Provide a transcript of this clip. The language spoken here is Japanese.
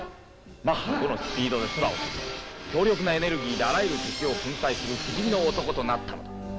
マッハ５のスピードで空を飛び強力なエネルギーであらゆる敵を粉砕する不死身の男となったのだ。